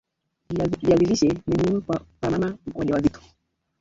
viazi lishe ni muhimu kwa mama wajawazito